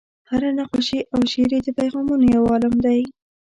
هره نقاشي او شعر یې د پیغامونو یو عالم دی.